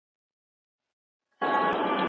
دوی له ډېرې مودې راهيسې بحث کاوه.